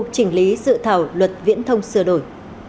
chỉnh lý sự thảo luật viễn thông sửa đổi